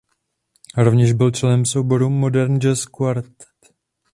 Rovněž byl členem souboru Modern Jazz Quartet.